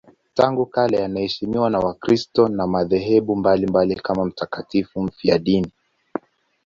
Tangu kale anaheshimiwa na Wakristo wa madhehebu mbalimbali kama mtakatifu mfiadini.